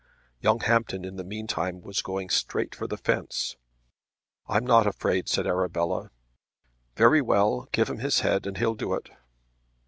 Young Hampton in the meantime was going straight for the fence. "I'm not afraid," said Arabella. "Very well. Give him his head and he'll do it."